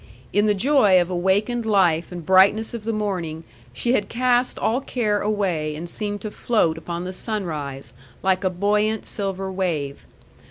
In the joy of awakened life and brightness of the morning, she had cast all care away, and seemed to float upon the sunrise, like a buoyant silver wave.